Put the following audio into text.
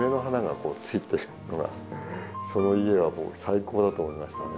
その家は最高だと思いましたね。